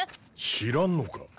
知らんのか？